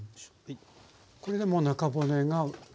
これでもう中骨がね。